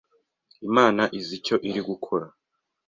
Imana izi icyo iri gukora.